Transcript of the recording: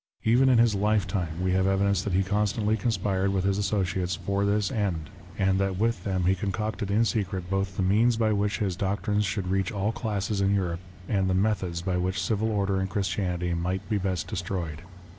Even in his life time, we have evidence that he constantly conspired with his associates for this end, and that with them he concocted in secret both the means by which his doctrines should reach all classes in Europe, and the methods by which civil order and Christianity might be best destroyed.